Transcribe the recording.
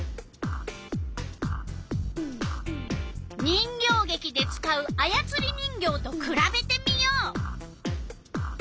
人形げきで使うあやつり人形とくらべてみよう。